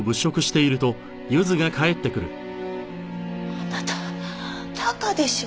あなたタカでしょ？